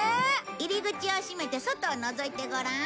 入り口を閉めて外をのぞいてごらん。